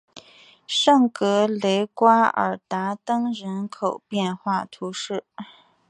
圣格雷瓜尔达登人口变化图示